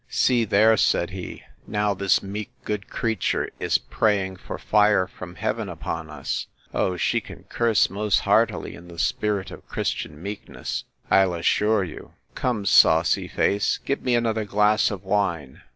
See there! said he: now this meek, good creature is praying for fire from heaven upon us! O she can curse most heartily, in the spirit of Christian meekness, I'll assure you!—Come, saucy face, give me another glass of wine.